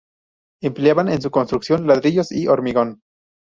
Empleaban en su construcción ladrillos y hormigón.